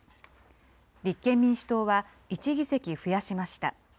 立憲民主党は１議席増やしました。